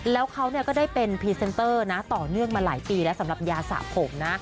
แล้วเขาก็ได้เป็นพรีเซนเตอร์นะต่อเนื่องมาหลายปีแล้วสำหรับยาสระผมนะ